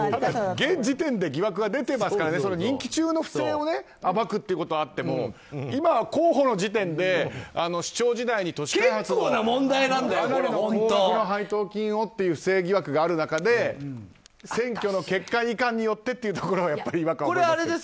現時点で疑惑が出てますからね任期中の不正を暴くということはあっても今、候補の時点で市長時代に都市開発のかなり高額の配当金をという不正疑惑がある中で選挙の結果いかんによってというのが、違和感を覚えます。